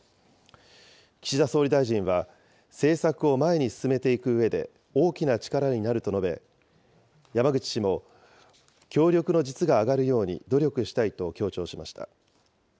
岸田総理大臣は、政策を前に進めていくうえで大きな力になると述べ、山口氏も、協力の実が上がるように努力したいと強調しました。